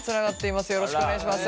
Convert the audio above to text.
よろしくお願いします。